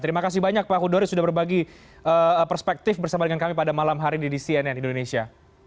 terima kasih banyak pak hudori sudah berbagi perspektif bersama dengan kami pada malam hari ini di cnn indonesia